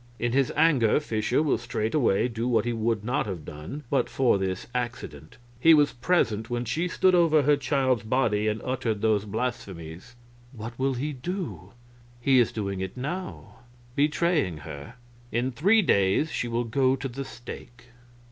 In his anger Fischer will straightway do what he would not have done but for this accident. He was present when she stood over her child's body and uttered those blasphemies." "What will he do?" "He is doing it now betraying her. In three days she will go to the stake."